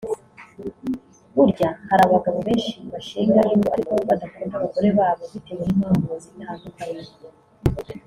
Burya hari abagabo benshi bashinga ingo ariko badakunda abagore babo bitewe n’impamvu zitandukanye